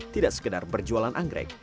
tidak sekedar perjualan anggrek